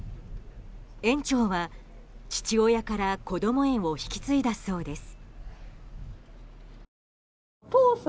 園長は父親からこども園を引き継いだそうです。